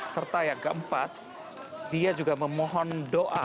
serta yang keempat dia juga memohon doa